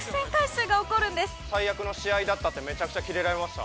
最悪の試合だったってめちゃくちゃキレられました。